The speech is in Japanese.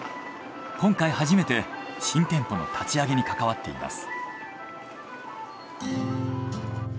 今回初めて新店舗の立ち上げに関わっています。